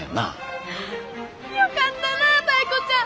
よかったなタイ子ちゃん！